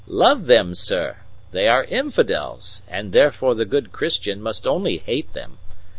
"Love them, sir! They are infidels, and therefore the good Christian must only hate them.